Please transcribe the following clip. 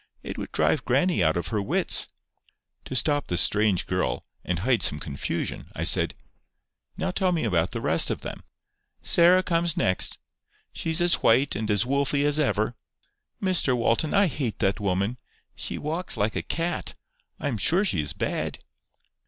It would drive grannie out of her wits." To stop the strange girl, and hide some confusion, I said: "Now tell me about the rest of them." "Sarah comes next. She's as white and as wolfy as ever. Mr Walton, I hate that woman. She walks like a cat. I am sure she is bad."